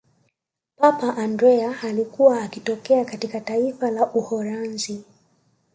papa andrea alikuwa akitokea katika taifa la uholanzi